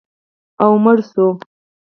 او مړه شوه